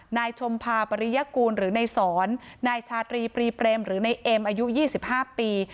นายชมพาปริยกูลหรือในสอนนายชาตรีปรีเปรมหรือนายเอ็มอายุ๒๕ปี